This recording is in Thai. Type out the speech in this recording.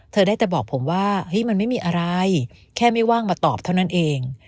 ได้แต่บอกผมว่าเฮ้ยมันไม่มีอะไรแค่ไม่ว่างมาตอบเท่านั้นเอง